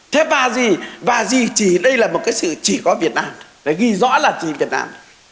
thế và gì và gì chỉ đây là một cái sự chỉ có việt nam ghi rõ là gì việt nam